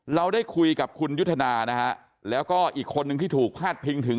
เราได้คุยกับคุณยุทธนานะฮะแล้วก็อีกคนนึงที่ถูกพาดพิงถึง